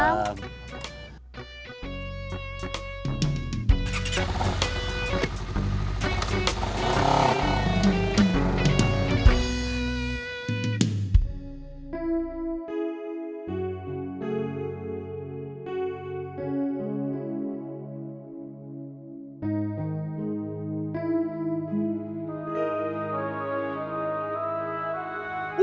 undangan sudah tersebar